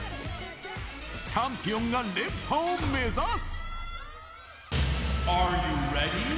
チャンピオンが連覇を目指す。